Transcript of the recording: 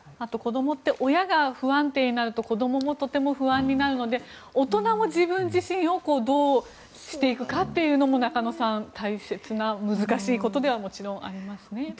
子供って親が不安定になると子供も、とても不安になるので大人も自分自身をどうしていくかも中野さん、大切な難しいことではもちろんありますね。